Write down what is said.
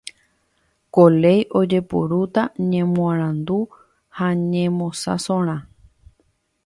Ko léi ojepurúta ñemoarandu ha ñemosãsorã.